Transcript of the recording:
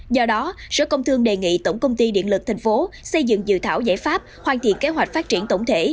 do đó sở công thương đề nghị tổng công ty điện lực tp hcm xây dựng dự thảo giải pháp hoàn thiện kế hoạch phát triển tổng thể